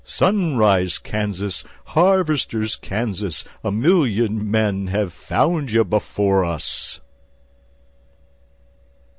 Sunrise Kansas, harvester's Kansas, A million men have found you before us.